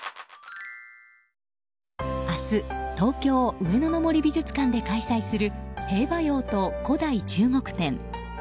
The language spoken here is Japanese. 明日、東京・上野の森美術館で開催する「兵馬俑と古代中国」展。